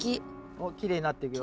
おっきれいになっていくよ。